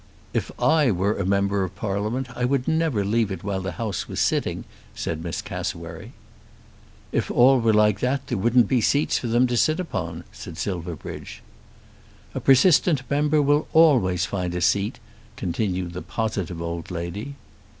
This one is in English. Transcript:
"If I were a member of Parliament I would never leave it while the House was sitting," said Miss Cassewary. "If all were like that there wouldn't be seats for them to sit upon," said Silverbridge. "A persistent member will always find a seat," continued the positive old lady.